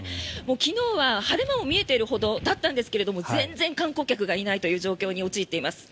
昨日は晴れ間も見えているほどだったんですが全然観光客がいない状況に陥っています。